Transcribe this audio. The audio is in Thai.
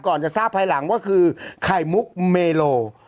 จะทราบภายหลังว่าคือไข่มุกเมโล